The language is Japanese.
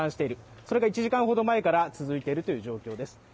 それが１時間ほど前から続いているという状況です。